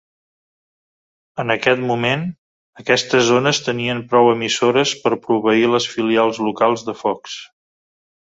En aquest moment, aquestes zones tenien prou emissores per proveir les filials locals de Fox.